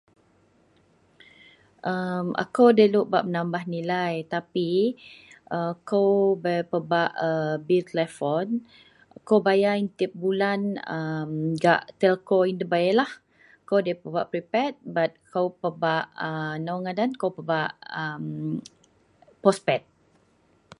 Aku delok bak menambah nilai tapi aku bei pebak bil tepon aku bayar yian tiap bulan gak telco yian debai lah aku debai pebak prepaid aku pebak postpaid.